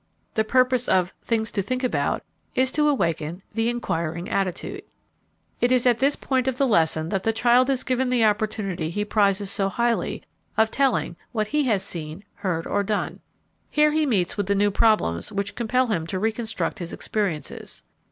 The purpose of "Things to Think About" is to awaken the inquiring attitude. It is at this point of the lesson that the child is given the opportunity he prizes so highly of telling what he has seen, heard, or done. Here he meets with the new problems which compel him to reconstruct his experiences.